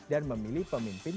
dan memilih pemimpin